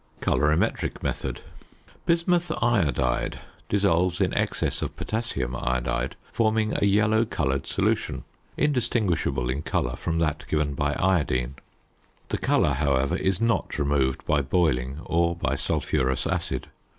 COLORIMETRIC METHOD. Bismuth iodide dissolves in excess of potassium iodide, forming a yellow coloured solution, indistinguishable in colour from that given by iodine. The colour, however, is not removed by boiling or by sulphurous acid.